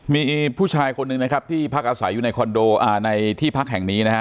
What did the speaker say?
มีผู้ชายคนหนึ่งนะครับที่พักอาศัยอยู่ในคอนโดในที่พักแห่งนี้นะฮะ